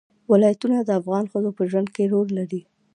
ولایتونه د افغان ښځو په ژوند کې رول لري.